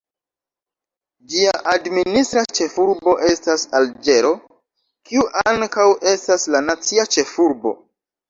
Ĝia administra ĉefurbo estas Alĝero, kiu ankaŭ estas la nacia ĉefurbo.